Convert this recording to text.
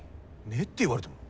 「ねっ？」て言われても。